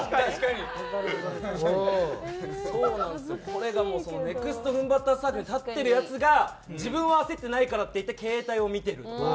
これがネクストフンバッターズサークルに立ってるヤツが自分は焦ってないからっていって携帯を見てるとか。